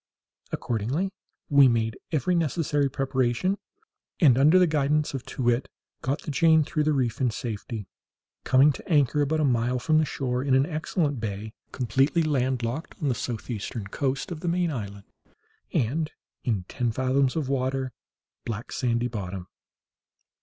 Accordingly we made every necessary preparation, and, under the guidance of Too wit, got the Jane through the reef in safety, coming to anchor about a mile from the shore, in an excellent bay, completely landlocked, on the southeastern coast of the main island, and in ten fathoms of water, black sandy bottom.